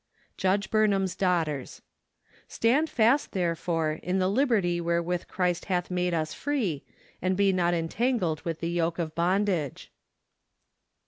Judge Burnham's Daughters. " Stand fast , therefore, in the liberty wherewith Christ hath made us free , and be not entangled with the yoke of bondage